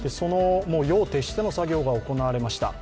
夜を徹しての作業が行われました。